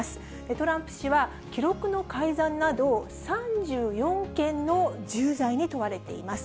トランプ氏は、記録の改ざんなど３４件の重罪に問われています。